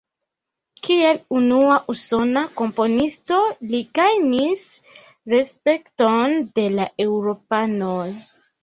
Kiel unua usona komponisto li gajnis respekton de la eŭropanoj.